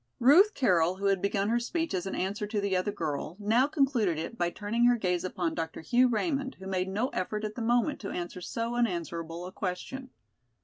Ruth Carroll, who had begun her speech as an answer to the other girl, now concluded it by turning her gaze upon Dr. Hugh Raymond, who made no effort at the moment to answer so unanswerable a question.